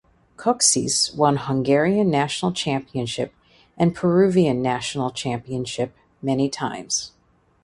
Kocsis won Hungarian national championship and Peruvian national championship many times.